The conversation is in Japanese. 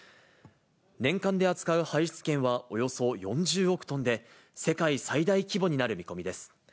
年間で扱う排出権はおよそ４０億トンで、世界最大規模になる見込みです。